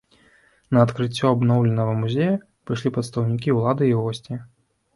На адкрыццё абноўленага музея прыйшлі прадстаўнікі ўлады і госці.